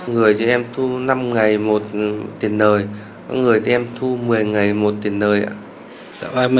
người thì em thu năm ngày một tiền lời người thì em thu một mươi ngày một tiền lời